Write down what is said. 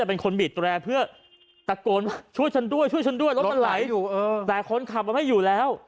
เป็นคนบีดแรร์เพื่อตะโกนว่าช่วยฉันด้วยช่วยฉันด้วยรถมันไหลอยู่แต่คนขับมันไม่อยู่แล้ว